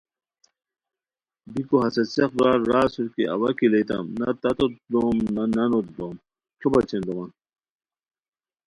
بیکو ہسے څیق برار را اسور کی اوا کی لیتام نہ تتوت دوم نہ نانوت دوم کھیو بچین دومان،